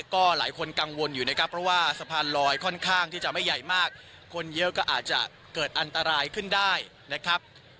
ก็หลายคนกังวลอยู่นะครับเพราะว่าสะพานลอยค่อนข้างที่จะไม่ใหญ่มากคนเยอะก็อาจจะเกิดอันตรายขึ้นได้นะครับ